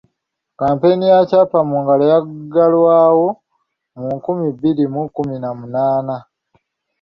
Kkampeyini ya Kyapa Mu Ngalo yaggalwawo mu nkumi bbiri mu kkumi na munaana.